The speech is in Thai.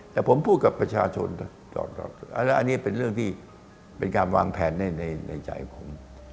แต่ผมพูดกับประชาชนนะยอมรับแล้วอันนี้เป็นเรื่องที่เป็นการวางแผนในใจผม